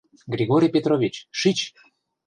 — Григорий Петрович, шич!..